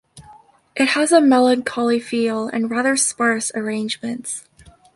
It has a melancholy feel and rather sparse arrangements.